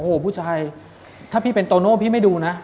โอ้โหผู้ชายถ้าพี่เป็นโตโน่พี่ไม่ดูนะ